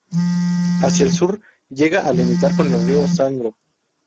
Hacia el sur llega a limitar con el río Sangro.